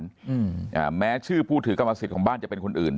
และแม้ชื่อผู้ถือกำหมักศิษย์ของบ้านจะเป็นคนอื่น